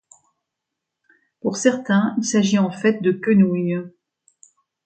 Pour certains, il s'agit en fait de quenouilles.